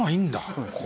そうですね。